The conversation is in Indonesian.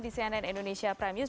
di cnn indonesia prime news